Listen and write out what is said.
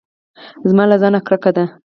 زما له ځانه کرکه ده .